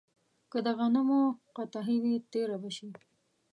که د غنمو قحطي وي، تېره به شي.